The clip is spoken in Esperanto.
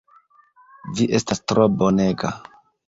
Vi estas tro bonega!